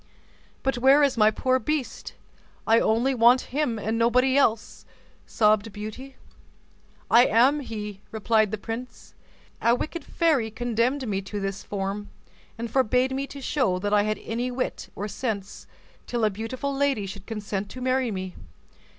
"But where is my poor beast? I only want him and nobody else," sobbed Beauty. "I am he," replied the prince. "A wicked fairy condemned me to this form, and forbade me to show that I had any wit or sense, till a beautiful lady should consent to marry me.